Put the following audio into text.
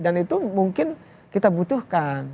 dan itu mungkin kita butuhkan